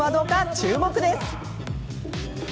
注目です。